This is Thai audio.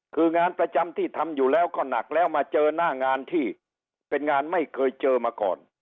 คืองานประจำที่ทำอยู่แล้วก็หนักแล้วมาเจอหน้างานที่เป็นงานไม่เคยเจอมาก่อน